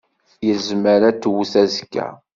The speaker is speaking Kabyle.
Yezmer ad twet azekka.